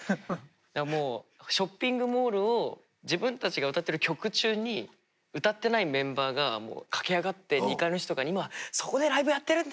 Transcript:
もうショッピングモールを自分たちが歌ってる曲中に歌ってないメンバーが駆け上がって２階の人とかに「今そこでライブやってるんで！」